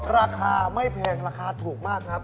ราคาไม่แพงราคาถูกมากครับ